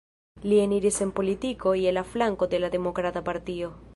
Li eniris en politiko je la flanko de la Demokrata Partio.